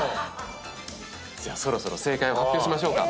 じゃあそろそろ正解を発表しましょうか。